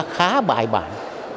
khá bài bản